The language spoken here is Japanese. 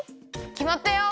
きまったよ！